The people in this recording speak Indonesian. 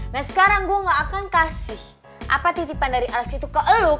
nah sekarang gue gak akan kasih apa titipan dari alex itu ke e look